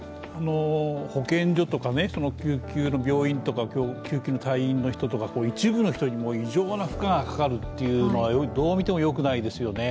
保健所とか、救急の病院とか救急の隊員とか一部の人に異常な負荷がかかるというのがどう見てもよくないですよね。